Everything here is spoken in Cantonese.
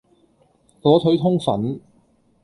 火腿通粉